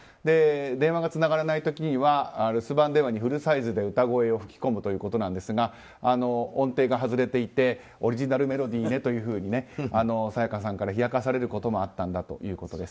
電話がつながらない時には留守番電話にフルサイズで歌声を吹き込むということですが音程が外れていてオリジナルメロディーねと沙也加さんから冷やかされることもあったんだということです。